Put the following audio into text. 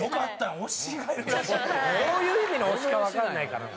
どういう意味の推しかわかんないからな。